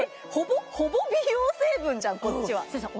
ほぼ美容成分じゃんこっちはさん